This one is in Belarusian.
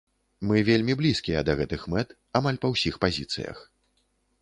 Мы вельмі блізкія да гэтых мэт, амаль па ўсіх пазіцыях.